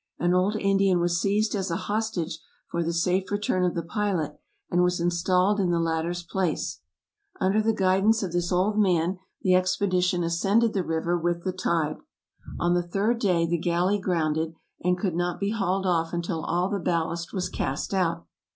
An old Indian was seized as a hostage for the safe return of the pilot, and was installed in the latter's THE EARLY EXPLORERS 49 place. Under the guidance of this old man the expedition ascended the river with the tide. On the third day the gal ley grounded, and could not be hauled off until all the bal last was cast out.